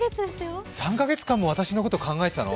３か月間も私のこと考えてたの？